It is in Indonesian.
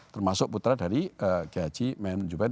termasuk putra dari kayi haji memon juber